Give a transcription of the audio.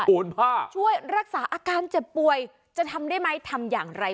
โอนผ้าช่วยรักษาอาการเจ็บป่วยจะทำได้ไหมทำอย่างไร